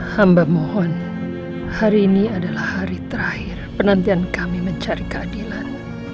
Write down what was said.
hamba mohon hari ini adalah hari terakhir penantian kami mencari keadilan